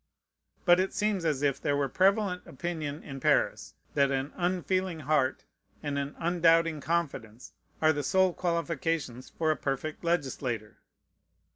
But it seems as if it were the prevalent opinion in Paris, that an unfeeling heart and an undoubting confidence are the sole qualifications for a perfect legislator.